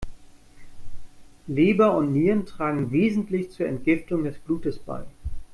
Leber und Nieren tragen wesentlich zur Entgiftung des Blutes bei.